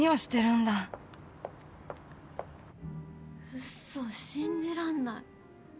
うそ信じらんない。